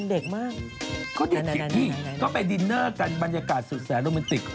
ก็เด็กที่นี่ก็ไปดินเนอร์กันบรรยากาศสุดแสนโรแมนติก